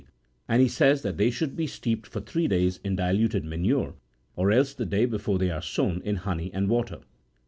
463 and he says that they should be steeped for three days in diluted manure, or else the day before they are sown in honey and water.